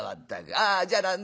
ああじゃあ何だな。